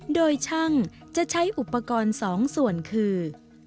โดยช่างจะใช้อุปกรณ์๒ส่วนคือ